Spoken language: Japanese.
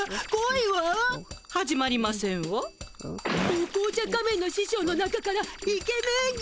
お紅茶仮面の師匠の中からイケメンが。